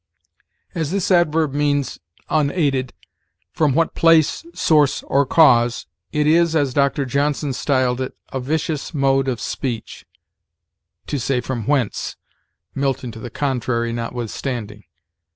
As this adverb means unaided from what place, source, or cause, it is, as Dr. Johnson styled it, "a vicious mode of speech" to say from whence, Milton to the contrary notwithstanding.